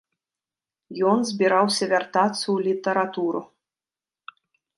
Ён збіраўся вяртацца ў літаратуру.